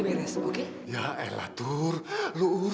gerhana selamat kau